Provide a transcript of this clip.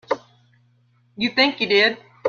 You think you did.